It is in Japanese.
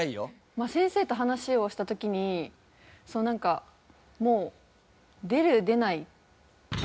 まあ先生と話をした時になんかもう出る出ない。